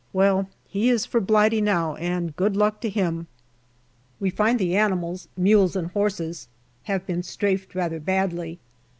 Well, he is for Blighty now, and good luck to him ! We find the animals mules and horses have been strafed rather badly.